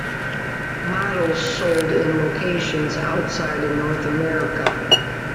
Models sold in locations outside North America.